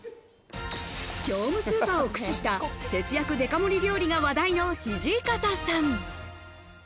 業務スーパーを駆使した節約デカ盛り料理が話題の土方さん。